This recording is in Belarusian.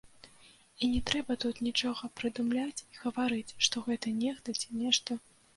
І не трэба тут нічога прыдумляць і гаварыць, што гэта нехта ці нешта.